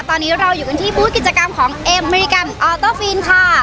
ตอนนี้เราอยู่กันที่บูธกิจกรรมของเอเมริกันออเตอร์ฟีนค่ะ